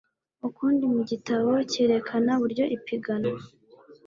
ukundi mu gitabo cyerekana uburyo ipiganwa